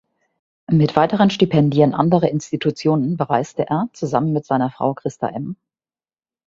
Mit weiteren Stipendien anderer Institutionen bereiste er, zusammen mit seiner Frau Christa-M.